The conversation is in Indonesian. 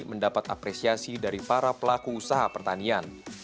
mendapat apresiasi dari para pelaku usaha pertanian